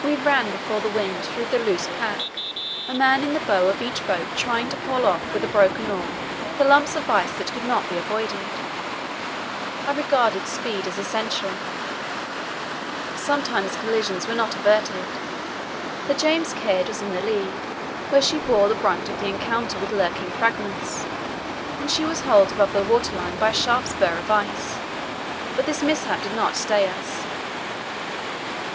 We ran before the wind through the loose pack, a man in the bow of each boat trying to pole off with a broken oar the lumps of ice that could not be avoided. I regarded speed as essential. Sometimes collisions were not averted. The James Caird was in the lead, where she bore the brunt of the encounter with lurking fragments, and she was holed above the water line by a sharp spur of ice, but this mishap did not stay us.